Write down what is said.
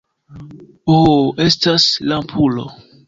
Ho, estas lampulo.